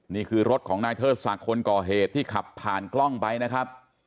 นี่คือรถของนายเทิดศักดิ์คนก่อเหตุที่ขับผ่านกล้องไปนะครับ